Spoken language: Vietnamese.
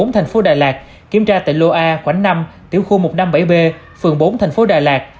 thành phố đà lạt kiểm tra tại lô a khoảnh năm tiểu khu một trăm năm mươi bảy b phường bốn thành phố đà lạt